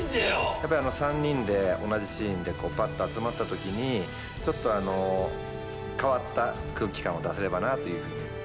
やっぱり３人で同じシーンでパッと集まった時にちょっと変わった空気感を出せればなというふうに。